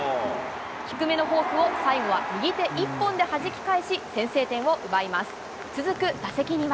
低めのフォークを最後は右手一本ではじき返し、先制点を奪います。